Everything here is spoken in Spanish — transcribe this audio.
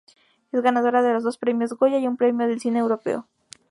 Es ganadora de dos Premios Goya y un Premio del Cine Europeo.